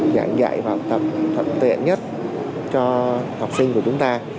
dạng dạy và học tập thật tiện nhất cho học sinh của chúng ta